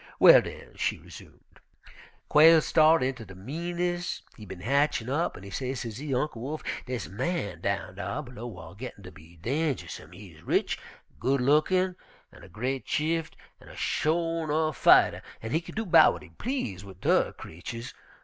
"Well, den," she resumed, "Quail start inter de meanness he bin hatchin' up, an' he say, sezee, 'Uncle Wolf, deys a man down dar below whar gittin' ter be dangersome. He's rich an' goodlookin', an' a gre't chieft an' a sho' 'nuff fighter, an' he kin do 'bout w'at he please wid tu'rr creeturs.